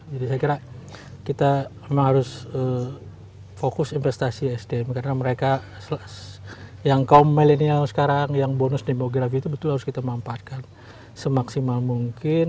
jadi saya kira kita memang harus fokus investasi sdm karena mereka yang kaum millennial sekarang yang bonus demografi itu betul harus kita memanfaatkan semaksimal mungkin